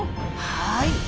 はい。